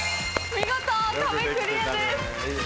見事壁クリアです。